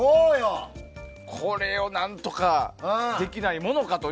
これを何とかできないものかと。